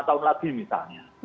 lima tahun lagi misalnya